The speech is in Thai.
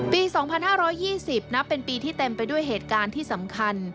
ปี๒๕๒๐นับเป็นปีที่เต็มไปด้วยเหตุการณ์ที่สำคัญ